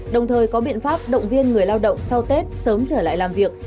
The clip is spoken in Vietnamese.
đồng thời có biện pháp động viên người lao động sau tết sớm trở lại làm việc